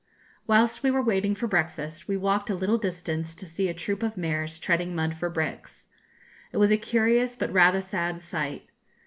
Whilst we were waiting for breakfast, we walked a little distance to see a troop of mares treading mud for bricks. It was a curious, but rather sad sight.